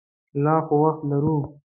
لا خو وخت لرو.